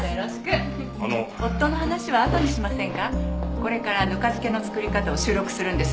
これからぬか漬けの作り方を収録するんです。